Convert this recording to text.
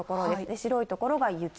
白い所が雪。